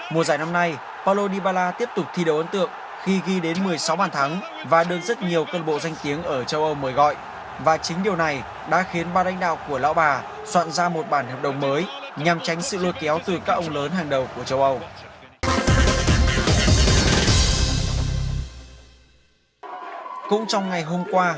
mùa giải năm nay paulo dybala tiếp tục thi đấu ấn tượng khi ghi đến một mươi sáu bản thắng và đơn rất nhiều cân bộ danh tiếng ở châu âu mới gọi và chính điều này đã khiến ba đánh đạo của lão bà soạn ra một bản hợp đồng mới nhằm tránh sự lôi kéo từ các ông lớn hàng đầu của châu âu